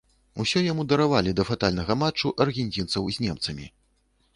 Усё яму даравалі да фатальнага матчу аргенцінцаў з немцамі.